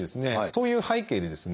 そういう背景でですね